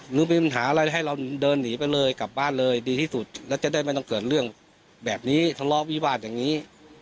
หรือมีปัญหาอะไรให้เราเดินหนีไปเลยกลับบ้านเลยดีที่สุดแล้วจะได้ไม่ต้องเกิดเรื่องแบบนี้ทะเลาะวิวาสอย่างนี้